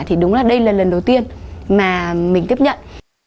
thì đúng là đây là lần đầu tiên mà mình tiếp nhận